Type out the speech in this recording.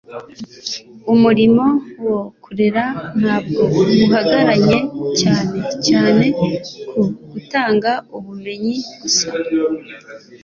Umurimo wo kurera ntabwo uhagaranye cyane cyane ku gutanga ubumenyi gusa,